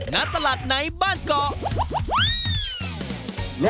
นาตลาดในบ้านเกาะ